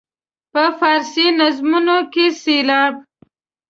په فارسي نظمونو کې سېلاب.